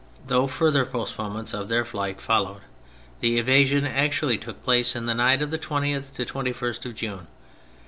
Though further postpone ments of their flight followed, the evasion actually took place in the night of the 20th to 21st of June.